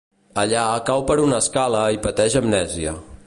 Allà, cau per una escala i pateix amnèsia.